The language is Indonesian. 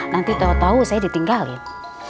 nanti tau tau saya ditinggalin